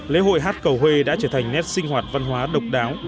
lễ hội hát cầu huê đã trở thành nét sinh hoạt văn hóa độc đáo